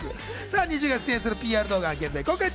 ＮｉｚｉＵが出演するＰＲ動画は現在公開中。